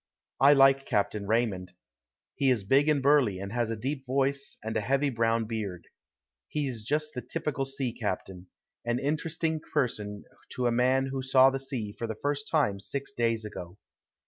I like Captain Raymond. He is big and burly, and has a deep voice, and a heavy brown beard. He's just the typical sea captain, an interesting person to a man who saw the sea for the first time six days ago.